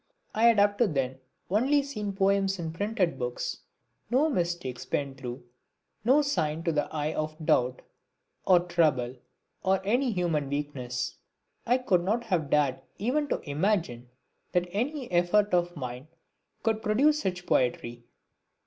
I had up to then only seen poems in printed books no mistakes penned through, no sign to the eye of doubt or trouble or any human weakness. I could not have dared even to imagine that any effort of mine could produce such poetry.